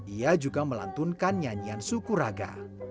ia juga melantunkan nyanyian sukuraga